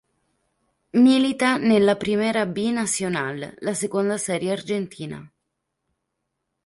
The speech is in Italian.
Milita nella Primera B Nacional, la seconda serie argentina.